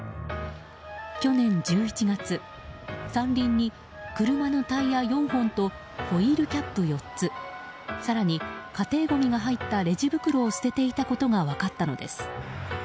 去年１１月、山林に車のタイヤ４本とホイールキャップ４つ更に家庭ごみが入ったレジ袋を捨てていたことが分かったのです。